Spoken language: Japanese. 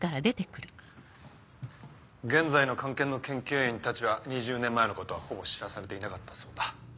現在の菅研の研究員たちは２０年前のことはほぼ知らされていなかったそうだ。